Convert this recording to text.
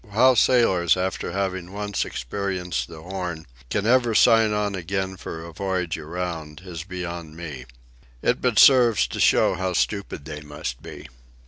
How sailors, after having once experienced the Horn, can ever sign on again for a voyage around is beyond me. It but serves to show how stupid they must be.